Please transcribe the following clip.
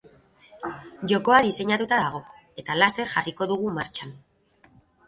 Jokoa diseinatuta dago eta laster jarriko dugu martxan.